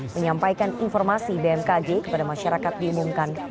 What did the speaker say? menyampaikan informasi bmkg kepada masyarakat diumumkan